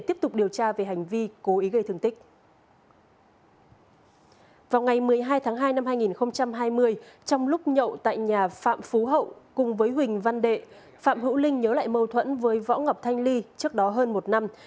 trong lúc nhậu tại nhà phạm phú hậu cùng với huỳnh văn đệ phạm hữu linh nhớ lại mâu thuẫn với võ ngọc thanh ly trước đó hơn một năm